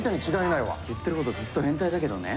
言ってることずっと変態だけどね。